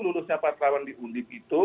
lulusnya pak terawan di undip itu